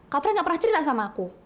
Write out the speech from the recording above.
kak fre gak pernah cerita sama aku